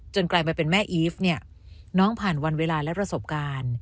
กลายมาเป็นแม่อีฟเนี่ยน้องผ่านวันเวลาและประสบการณ์